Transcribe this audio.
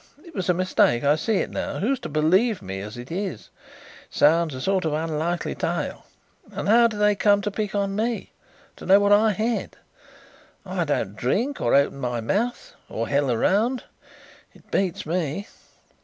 It was a mistake; I see it now. Who is to believe me as it is it sounds a sort of unlikely tale. And how do they come to pick on me? to know what I had? I don't drink, or open my mouth, or hell round. It beats me."